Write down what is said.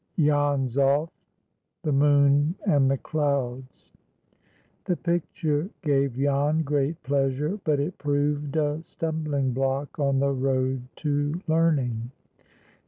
—"JAN'S OFF." THE MOON AND THE CLOUDS. THE picture gave Jan great pleasure, but it proved a stumbling block on the road to learning.